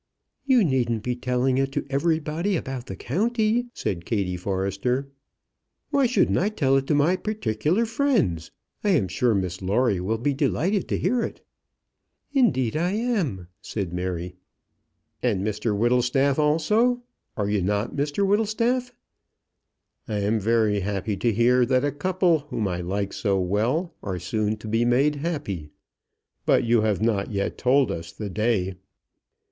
"You needn't be telling it to everybody about the county," said Kattie Forrester. "Why shouldn't I tell it to my particular friends? I am sure Miss Lawrie will be delighted to hear it." "Indeed I am," said Mary. "And Mr Whittlestaff also. Are you not, Mr Whittlestaff?" "I am very happy to hear that a couple whom I like so well are soon to be made happy. But you have not yet told us the day."